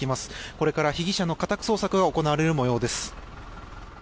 これから被疑者の家宅捜索が行われる模様です。